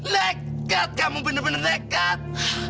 lekat kamu benar benar lekat